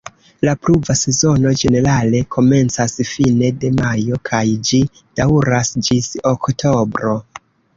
La pluva sezono ĝenerale komencas fine de majo kaj ĝi daŭras ĝis oktobro.